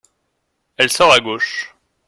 Elle sort à gauche.